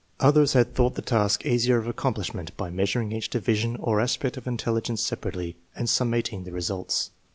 Others had thought the task easier of accomplishment by measuring each division or aspect of intelligence separately, and summating the results.